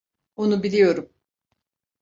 Onu biliyorum.